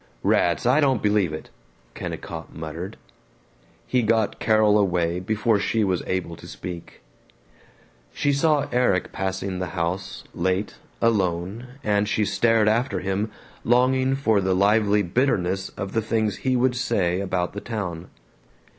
"Rats, I don't believe it," Kennicott muttered. He got Carol away before she was able to speak. She saw Erik passing the house, late, alone, and she stared after him, longing for the lively bitterness of the things he would say about the town.